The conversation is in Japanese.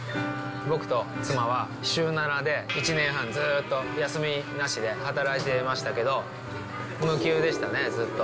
僕と妻は週７で、１年半、ずーっと休みなしで働いていましたけど、無給でしたね、ずっと。